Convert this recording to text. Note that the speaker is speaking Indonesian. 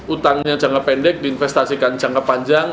utangnya jangka pendek diinvestasikan jangka panjang